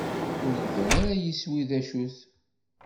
Ur iban ara yiswi d acu-t.